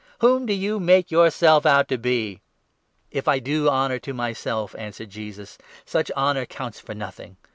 Whom do you make yourself out to be ?"" If I do honour to myself," answered Jesus, " such honour 54 counts for nothing.